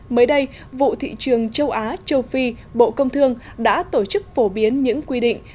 mới đây vụ thị trường châu á châu phi bộ công thương đã tổ chức phổ biến những quy định